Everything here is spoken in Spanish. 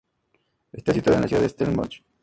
Está situada en la ciudad de Stellenbosch.